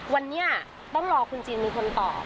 วันนี้ต้องรอคุณจีนเป็นคนตอบ